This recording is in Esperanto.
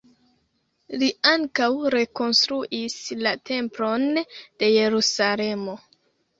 Li ankaŭ rekonstruis la Templon de Jerusalemo.